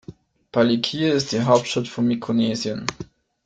Palikir ist die Hauptstadt von Mikronesien.